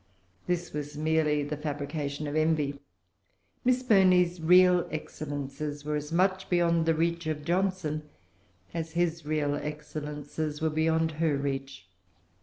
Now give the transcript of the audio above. This was merely the fabrication of envy. Miss Burney's real excellences were as much beyond the reach of Johnson, as his real excellences were beyond her reach.